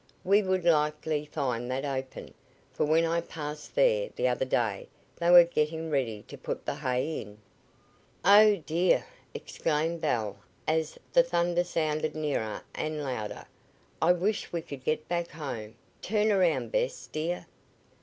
"We would likely find that open, for when I went past there the other day they were getting ready to put the hay in." "Oh, dear!" exclaimed Belle as the thunder sounded nearer and louder. "I wish we could get back home. Turn around, Bess., dear."